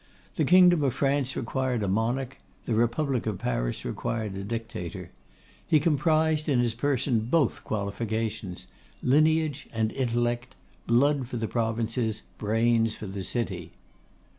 The Kingdom of France required a Monarch; the Republic of Paris required a Dictator. He comprised in his person both qualifications; lineage and intellect; blood for the provinces, brains for the city.